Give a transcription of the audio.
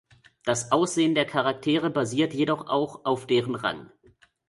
Das Aussehen der Charaktere basiert jedoch auch auf deren Rang.